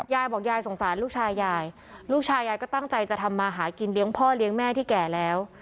ยายบอกยายสงสารลูกชายยายลูกชายยายก็ตั้งใจจะทำมาหากินเลี้ยงพ่อเลี้ยงแม่ที่แก่แล้ว